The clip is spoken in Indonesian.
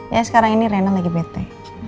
ya sekarang ini rena lagi bete